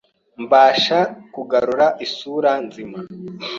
mbasha kugarura isura nzima